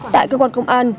tại cơ quan công an